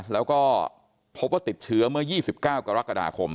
แล้วก็พบว่าติดเชื้อเมื่อ๒๙กรกฎาคม